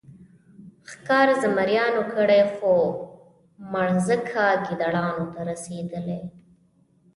ښکار زمریانو کړی خو مړزکه ګیدړانو ته رسېدلې.